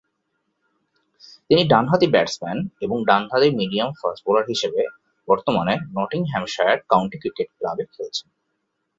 তিনি ডানহাতি ব্যাটসম্যান এবং ডানহাতি মিডিয়াম ফাস্ট বোলার হিসেবে বর্তমানে নটিংহ্যামশায়ার কাউন্টি ক্রিকেট ক্লাবে খেলছেন।